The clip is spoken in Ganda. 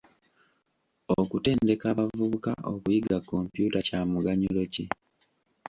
Okutendeka abavubuka okuyiga kompyuta kya muganyulo ki?